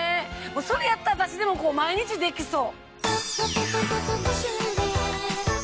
それやったら私でも毎日できそう！